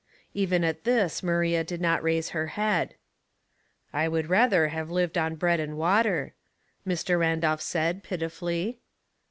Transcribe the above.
Even at this Maria did not raise her head, " I would rather have lived on bread and water," Mr. Randolph said, pitifully.